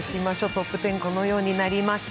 トップ１０はこのようになりました。